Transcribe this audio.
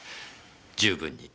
十分に。